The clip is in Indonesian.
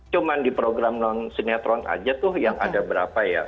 cuma di program non sinetron aja tuh yang ada berapa ya